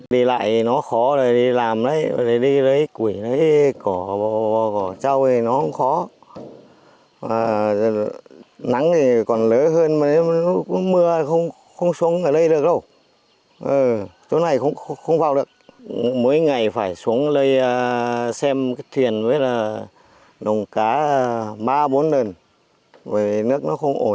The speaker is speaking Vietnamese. thuyền với lồng cá ba bốn lần vì nước nó không ổn mà có lúc thì xuống có lúc thì lên